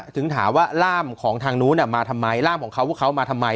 ถึงถามว่าร่ามของทางนู้นมาทำไมร่ามของเขาพวกเขามาทำไม